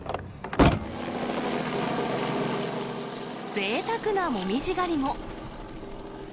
ぜいたくな紅葉狩りも。